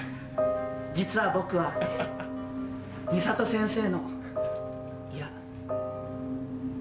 実は僕はミサト先生のいや。